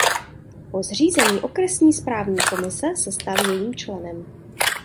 Po zřízení Okresní správní komise se stal jejím členem.